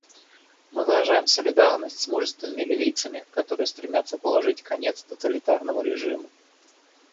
Мы выражаем солидарность с мужественными ливийцами, которые стремятся положить конец тоталитарному режиму.